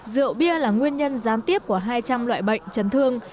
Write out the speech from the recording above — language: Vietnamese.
rượu bia là nguyên nhân gián tiếp của hai trăm linh loại bệnh chấn thương